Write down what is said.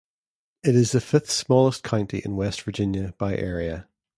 It is the fifth-smallest county in West Virginia by area.